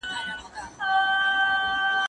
زه پرون لوبه کوم؟